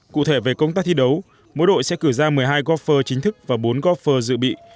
cụ thể về công tác thi đấu mỗi đội sẽ cử ra một mươi hai góp phơ chính thức và bốn gofer dự bị